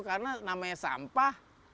karena namanya sampah